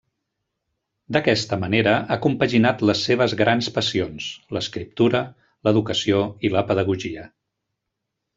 D'aquesta manera ha compaginat les seves grans passions: l'escriptura, l'educació i la pedagogia.